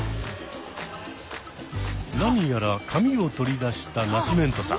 何やら紙を取り出したナシメントさん。